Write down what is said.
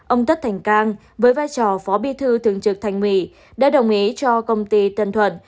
ông tất thành cang với vai trò phó bi thư thường trực thành ủy đã đồng ý cho công ty tân thuận